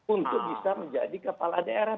untuk bisa menjadi kepala daerah